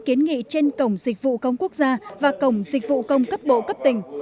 kiến nghị trên cổng dịch vụ công quốc gia và cổng dịch vụ công cấp bộ cấp tỉnh